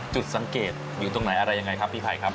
จุดสังเกตอยู่ตรงไหนอะไรยังไงครับพี่ไพรครับ